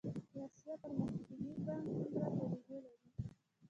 د اسیا پرمختیایی بانک څومره پروژې لري؟